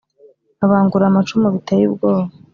babangura amacumu biteye ubwoba.